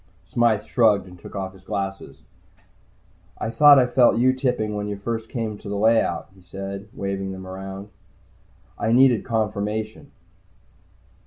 Smythe shrugged and took off his glasses. "I thought I felt you tipping when you first came to the layout," he said, waving them around. I nodded confirmation.